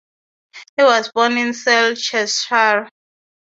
He was born in Sale, Cheshire.